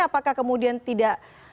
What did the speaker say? apakah kemudian tidak